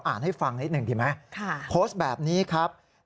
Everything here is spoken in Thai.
ให้ฟังนิดหนึ่งดีไหมโพสต์แบบนี้ครับ